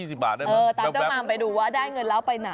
เนี่ย๒๐บาทได้ไหมแบบเออตามเจ้ามามไปดูว่าได้เงินแล้วไปไหน